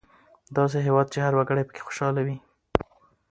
داسې هېواد چې هر وګړی پکې خوشحاله وي.